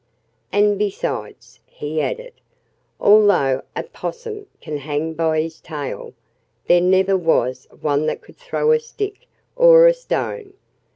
And besides," he added, "although a 'possum can hang by his tail, there never was one that could throw a stick or a stone.